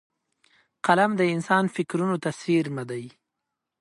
قلم د انسان فکرونو ته څېرمه دی